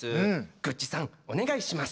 グッチさんお願いします。